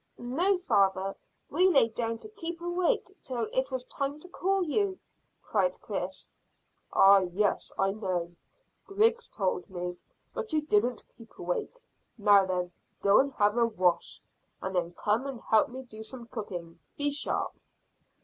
"No, father; we lay down to keep awake till it was time to call you," cried Chris. "Ah, yes, I know. Griggs told me; but you didn't keep awake. Now then, go and have a wash, and then come and help me do some cooking. Be sharp."